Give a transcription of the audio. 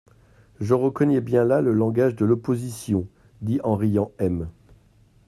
Je reconnais bien là le langage de l'opposition, dit en riant M.